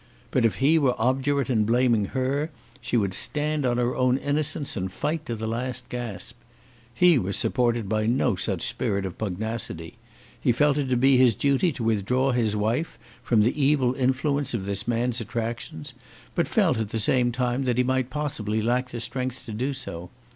But if he were obdurate in blaming her, she would stand on her own innocence and fight to the last gasp. He was supported by no such spirit of pugnacity. He felt it to be his duty to withdraw his wife from the evil influence of this man's attractions, but felt, at the same time, that he might possibly lack the strength to do so.